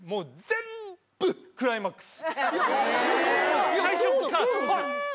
全部クライマックス！